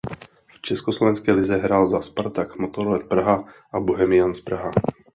V československé lize hrál za Spartak Motorlet Praha a Bohemians Praha.